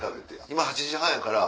今８時半やから。